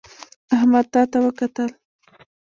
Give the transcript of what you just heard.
احمد تا ته وکتل